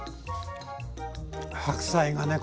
白菜がね